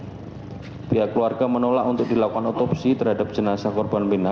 rumah sakit darmais jakarta barat dan di sana pihak keluarga menolak untuk dilakukan otopsi terhadap jenazah korban pina